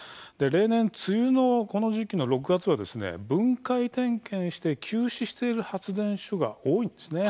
例年、梅雨のこの時期の６月は分解点検して休止している発電所が多いんですね。